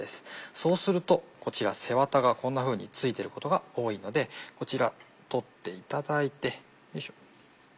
そうするとこちら背ワタがこんなふうに付いてることが多いのでこちら取っていただいて。